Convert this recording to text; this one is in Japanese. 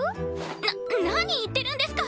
な何言ってるんですか！